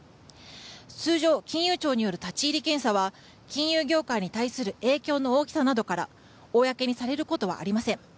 通常金融庁による立ち入り検査は金融業界に対する影響の大きさから公にされることはありません。